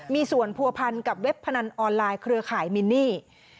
มีส่วนผัวพันกับเว็บพนันออนไลน์เครือข่ายมินนี่